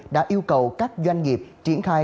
đã yêu cầu các doanh nghiệp triển khai